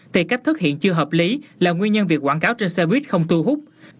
thì cách thức hiện chưa hợp lý là nguyên nhân việc quảng cáo trên xe buýt không thu hút